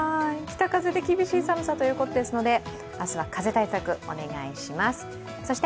北風で厳しい寒さということですので、明日は風対策、お願いします。